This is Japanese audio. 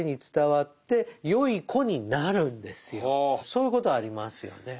そういうことありますよね。